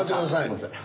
すいません。